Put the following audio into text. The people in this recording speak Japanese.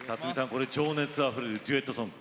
これ情熱あふれるデュエットソング。